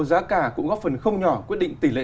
giá cả cũng góp phần không nhỏ quyết định tỷ lệ